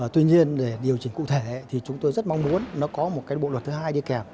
tuy nhiên để điều chỉnh cụ thể thì chúng tôi rất mong muốn nó có một cái bộ luật thứ hai đi kèm